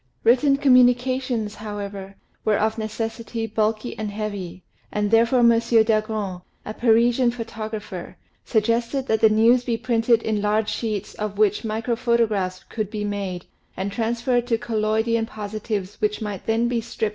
Written communications, however, were of necessity, bulky and heavy, and therefore M. Dagron, a Parisian photographer, suggested that the news be printed in large sheets of which microphotographs could be made and trans ferred to collodion positives which might then be stripped from the glass and would be very light.